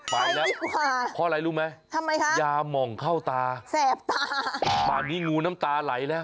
ไปแล้วพออะไรรู้ไหมอย่ามองเข้าตาแสบตาตอนนี้งูน้ำตาไหลแล้ว